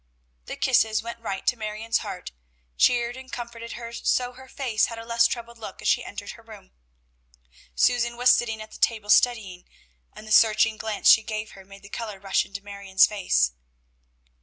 The kisses went right to Marion's heart, cheered and comforted her so her face had a less troubled look as she entered her room. Susan was sitting at the table studying, and the searching glance she gave her made the color rush into Marion's face.